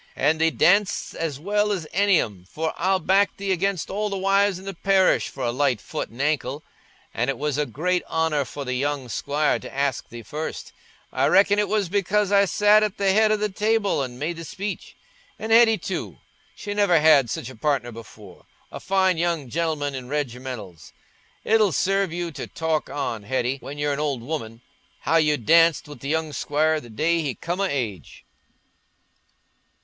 An' thee danc'st as well as any of 'em, for I'll back thee against all the wives i' the parish for a light foot an' ankle. An' it was a great honour for the young squire to ask thee first—I reckon it was because I sat at th' head o' the table an' made the speech. An' Hetty too—she never had such a partner before—a fine young gentleman in reg'mentals. It'll serve you to talk on, Hetty, when you're an old woman—how you danced wi' th' young squire the day he come o' age."